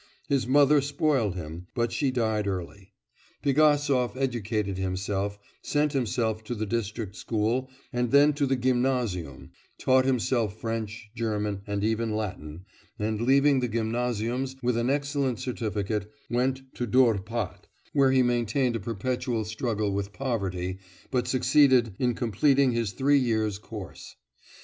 His mother spoiled him, but she died early. Pigasov educated himself, sent himself to the district school and then to the gymnasium, taught himself French, German, and even Latin, and, leaving the gymnasiums with an excellent certificate, went to Dorpat, where he maintained a perpetual struggle with poverty, but succeeded in completing his three years' course.